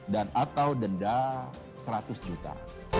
dan atau denda seratus juta